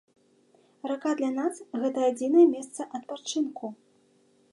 Рака для нас, гэта адзінае месца адпачынку.